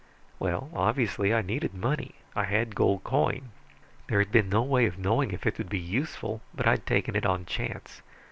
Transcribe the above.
"Well, obviously, I needed money. I had gold coin. There had been no way of knowing if it would be useful, but I'd taken it on chance.